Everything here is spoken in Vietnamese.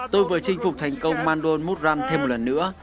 tôi vừa chinh phục thành công mandol moutray thêm một lần nữa